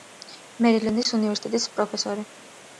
მერილენდის უნივერსიტეტის პროფესორი.